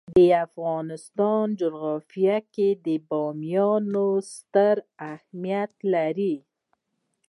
د افغانستان جغرافیه کې بامیان ستر اهمیت لري.